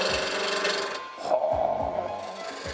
はあ。